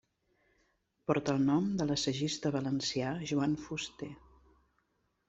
Porta el nom de l'assagista valencià Joan Fuster.